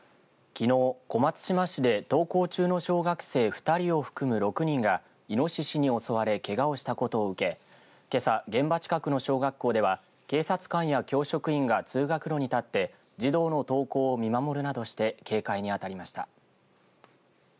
きのう、小松島市で登校中の小学生２人を含む６人がいのししに襲われけがをしたことを受けけさ、現場近くの小学校では警察官や教職員が通学路に立って児童の登校を見守るなどして警戒に当たりました。